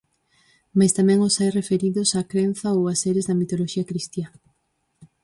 Mais tamén os hai referidos á crenza ou a seres da mitoloxía cristiá.